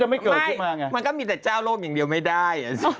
มันก็มีแต่เจ้าโลกอย่างเดียวไม่ได้